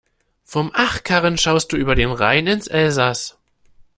Vom Achkarren schaust du über den Rhein ins Elsaß.